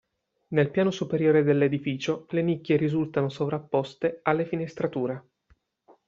Nel piano superiore dell'edificio le nicchie risultano sovrapposte alle finestrature.